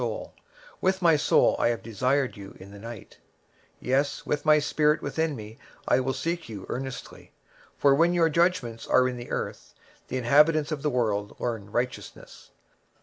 23:026:009 With my soul have I desired thee in the night; yea, with my spirit within me will I seek thee early: for when thy judgments are in the earth, the inhabitants of the world will learn righteousness.